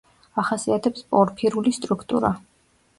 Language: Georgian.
ახასიათებს პორფირული სტრუქტურა.